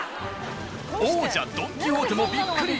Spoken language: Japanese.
王者「ドン・キホーテ」もびっくり。